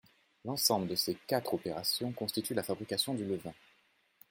L'ensemble de ces quatre opérations constitue la fabrication du levain.